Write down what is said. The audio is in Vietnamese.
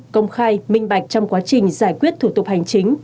công khai minh bạch trong quá trình giải quyết thủ tục hành chính